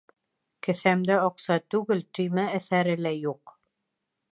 Кеҫәмдә аҡса түгел, төймә әҫәре лә юҡ.